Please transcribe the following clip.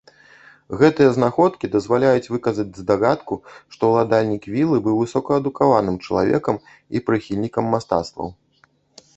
Гэтыя знаходкі дазваляюць выказаць здагадку, што ўладальнік вілы быў высокаадукаваным чалавекам і прыхільнікам мастацтваў.